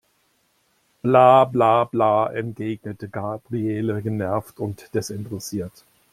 Bla bla bla, entgegnete Gabriele genervt und desinteressiert.